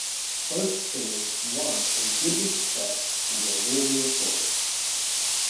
Both singers won a goodly success and were warmly applauded.